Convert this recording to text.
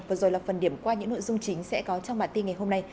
vừa rồi là phần điểm qua những nội dung chính sẽ có trong bản tin ngày hôm nay